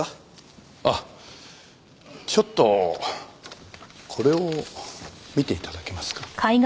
あっちょっとこれを見て頂けますか？